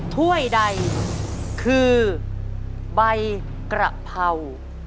ถ้วยใดคือใบกระเพรา